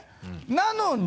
なのに！